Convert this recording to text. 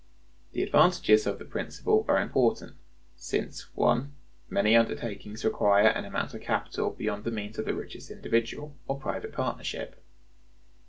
The advantages of the principle are important, [since] (1) many undertakings require an amount of capital beyond the means of the richest individual or private partnership.